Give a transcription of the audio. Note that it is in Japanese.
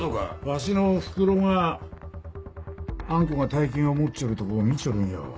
わしのおふくろがあん子が大金を持っちょるとこを見ちょるんよ。